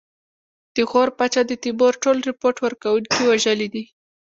د غور پاچا د تیمور ټول رپوټ ورکوونکي وژلي دي.